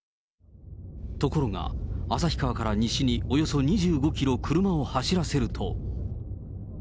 ところが、旭川から西におよそ１５キロ車を走らせると。